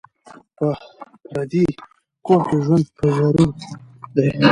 په پردي کور کي ژوند په ضرور دی